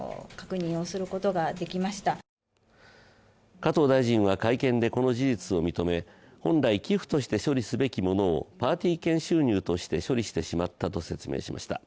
加藤大臣は会見でこの事実を認め、本来寄付として処理すべきものをパーティー券収入として処理してしまったと説明しました。